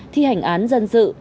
thi hành án dân sự